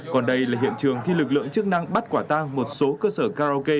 còn đây là hiện trường khi lực lượng chức năng bắt quả tang một số cơ sở karaoke